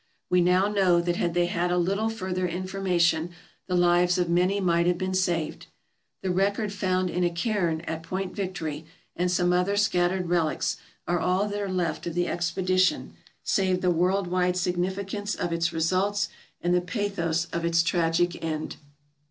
We now know that had they had a little further information the lives of many might have been saved. The record found in a cairn at Point Victory, and some other scattered relics, are all that are left of the ex pedition, save the world wide significance of its results and the pathos of its tragic end.